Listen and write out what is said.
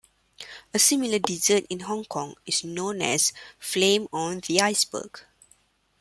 A similar dessert in Hong Kong is known as flame on the iceberg.